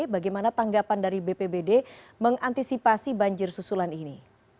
bagaimana tanggapan dari bpbd mengantisipasi banjir susulan ini